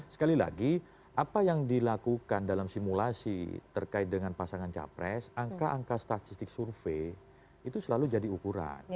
sekali lagi apa yang dilakukan dalam simulasi terkait dengan pasangan capres angka angka statistik survei itu selalu jadi ukuran